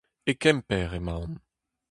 E Kemper emaon.